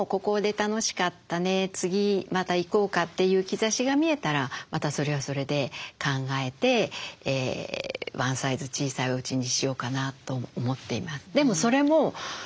次またいこうか」という兆しが見えたらまたそれはそれで考えてワンサイズ小さいおうちにしようかなと思っています。